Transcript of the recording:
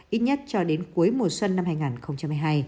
ít nhất cho đến cuối mùa xuân năm hai nghìn hai mươi hai